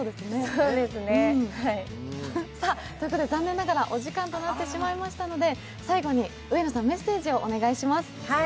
残念ながらお時間となってしまいましたので、メッセージをお願いします。